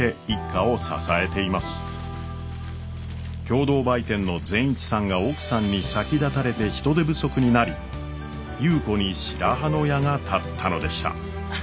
共同売店の善一さんが奥さんに先立たれて人手不足になり優子に白羽の矢が立ったのでした。